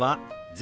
「０」。